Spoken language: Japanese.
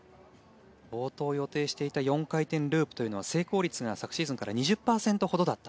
冒頭、予定していた４回転ループというのは成功率が昨シーズンから２０％ほどだった。